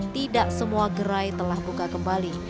tidak semua gerai telah buka kembali